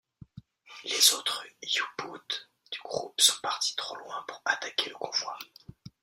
Les autres U-Boote du groupe sont partis trop loin pour attaquer le convoi.